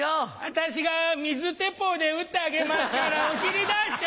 私が水鉄砲でうってあげますからお尻出して。